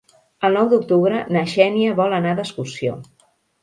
El nou d'octubre na Xènia vol anar d'excursió.